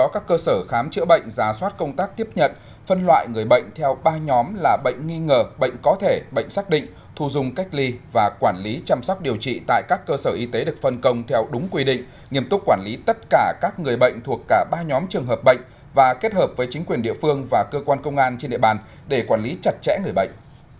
các cơ sở khám chữa bệnh giả soát công tác tiếp nhận phân loại người bệnh theo ba nhóm là bệnh nghi ngờ bệnh có thể bệnh xác định thu dung cách ly và quản lý chăm sóc điều trị tại các cơ sở y tế được phân công theo đúng quy định nghiêm túc quản lý tất cả các người bệnh thuộc cả ba nhóm trường hợp bệnh và kết hợp với chính quyền địa phương và cơ quan công an trên địa bàn để quản lý chặt chẽ người bệnh